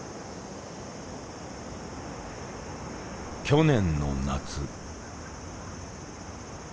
去年の夏。